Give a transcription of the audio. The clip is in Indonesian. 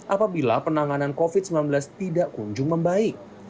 apabila penanganan covid sembilan belas tidak kunjung membaik